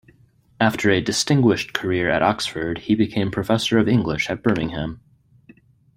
After a distinguished career at Oxford, he became Professor of English at Birmingham.